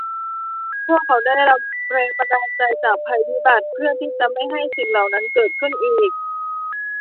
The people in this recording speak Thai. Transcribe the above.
พวกเขาได้รับแรงบันดาลใจจากภัยพิบัติเพื่อที่จะไม่ให้สิ่งเหล่านั้นเกิดขึ้นอีก